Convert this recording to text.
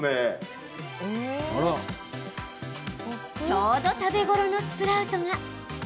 ちょうど食べ頃のスプラウトが。